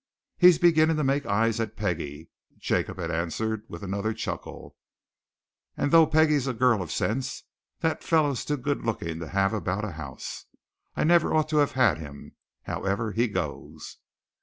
"He's beginning to make eyes at Peggie," Jacob had answered with another chuckle, "and though Peggie's a girl of sense, that fellow's too good looking to have about a house. I never ought to have had him. However he goes."